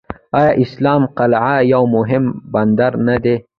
آیا اسلام قلعه یو مهم بندر نه دی؟